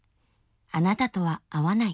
あなたとは合わない」。